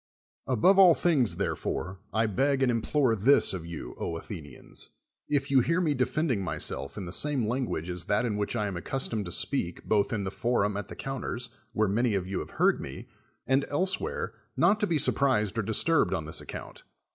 Above all things, therefore, I beg and implore this of you, Athenians, if you hear me defend ing myself in the same language as that in which I am accustomed to speak both in the forum at the counters, w^here many of you have heard me, and elsewhere, not to be surprised or disturbed on this account.